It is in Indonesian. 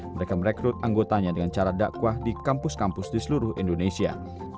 mereka merekrut anggotanya dengan cara dakwah di kampus kampus di seluruh indonesia